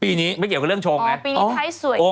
อ๋อปีนี้ไทยสวยเยอะ